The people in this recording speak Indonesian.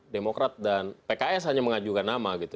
demokrat dan pks hanya mengajukan nama gitu